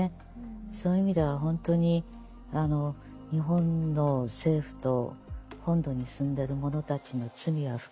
そういう意味では本当に日本の政府と本土に住んでる者たちの罪は深いですね。